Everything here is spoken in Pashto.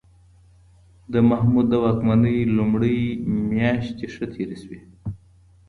د محمود د واکمنۍ لومړۍ میاشتې ښه تېرې شوې.